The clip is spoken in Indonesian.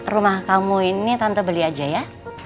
rumah kamu ini tante beli aja ya